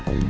ya tau ga